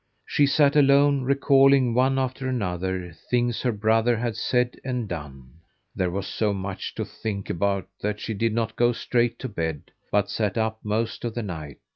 She sat alone recalling, one after another, things her brother had said and done. There was so much to think about that she did not go straight to bed, but sat up most of the night.